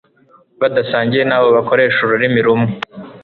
badasangiye n'abo bakoresha ururimi rumwe